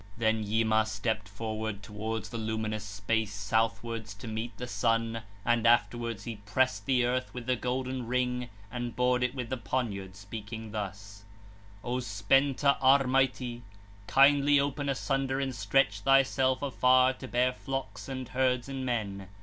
p. 15 18 (31). Then Yima stepped forward, towards the luminous space, southwards, to meet the sun, and (afterwards) he pressed the earth with the golden ring, and bored it with the poniard, speaking thus: 'O Spenta Ârmaiti, kindly open asunder and stretch thyself afar, to bear flocks and herds and men.'